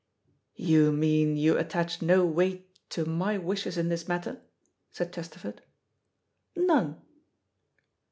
"You mean you attach no weight to my wishes in this matter?" said Chesterford. "None."